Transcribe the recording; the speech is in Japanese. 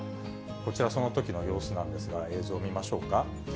こちら、そのときの様子なんですが、映像見ましょうか。